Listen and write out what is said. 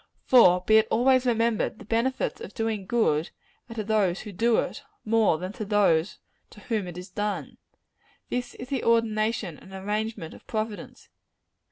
For be it always remembered the benefits of doing good are to those who do it, more than to those to whom it is done. This is the ordination and arrangement of Providence.